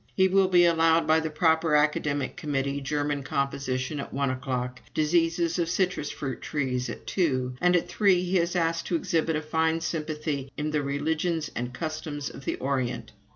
He will be allowed by the proper academic committee German Composition at one o'clock, diseases of citrus fruit trees at two, and at three he is asked to exhibit a fine sympathy in the Religions and Customs of the Orient.